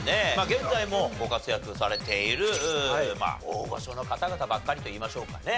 現在もご活躍されている大御所の方々ばっかりと言いましょうかね。